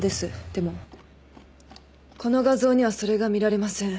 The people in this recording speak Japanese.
でもこの画像にはそれが見られません。